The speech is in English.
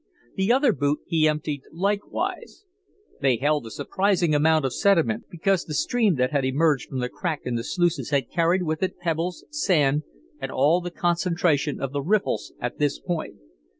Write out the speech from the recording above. The other boot he emptied likewise. They held a surprising amount of sediment, because the stream that had emerged from the crack in the sluices had carried with it pebbles, sand, and all the concentration of the riffles at this point.